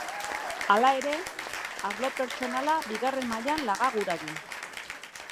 Hala ere, arlo pertsonala bigarren mailan laga gura du.